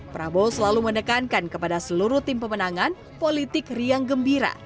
prabowo selalu menekankan kepada seluruh tim pemenangan politik riang gembira